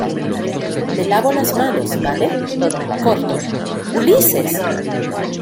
me lavo las manos, ¿ vale? corto. ¡ Ulises!